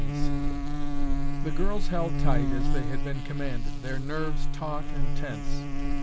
'S." The girls held tight as they had been commanded, their nerves taut and tense.